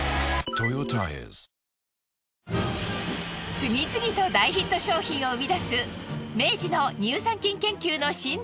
次々と大ヒット商品を生み出す明治の乳酸菌研究の心臓部に潜入。